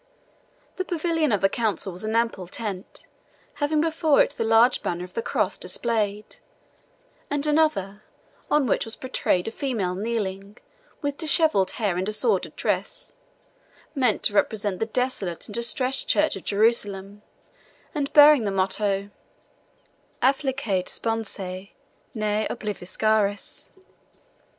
The pavilion of the Council was an ample tent, having before it the large Banner of the Cross displayed, and another, on which was portrayed a female kneeling, with dishevelled hair and disordered dress, meant to represent the desolate and distressed Church of Jerusalem, and bearing the motto, AFFLICTAE SPONSAE NE OBLIVISCARIS.